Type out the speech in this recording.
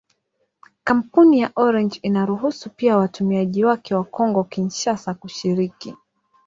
Kampuni ya Orange inaruhusu pia watumiaji wake wa Kongo-Kinshasa kushiriki.